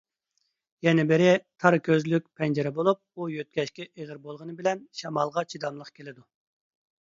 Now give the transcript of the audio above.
يەنە بىرى، تار كۆزلۈك پەنجىرە بولۇپ، ئۇ يۆتكەشكە ئېغىر بولغىنى بىلەن شامالغا چىداملىق كېلىدۇ.